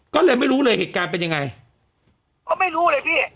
ก็เลยไม่รู้เลยเหตุการณ์เป็นยังไงก็ไม่รู้เลยพี่